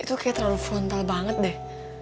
itu kayak terlalu frontal banget deh